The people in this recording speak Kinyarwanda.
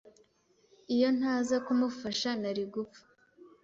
Iyo ntaza kumufasha, nari gupfa.